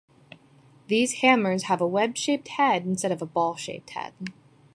These hammers have a wedge-shaped head instead of a ball-shaped head.